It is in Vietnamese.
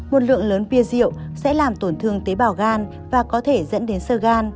một lượng lớn bia rượu sẽ làm tổn thương tế bào gan và có thể dẫn đến sơ gan